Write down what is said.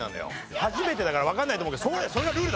初めてだからわかんないと思うけど。